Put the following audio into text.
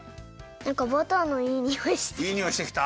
なんかバターのいいにおいしてきた。